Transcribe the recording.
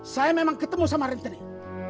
saya memang ketemu sama rentenir